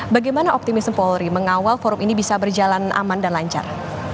bagaimana optimisme polri mengawal forum ini bisa berjalan aman dan lancar